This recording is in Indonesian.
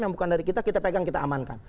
yang bukan dari kita kita pegang kita amankan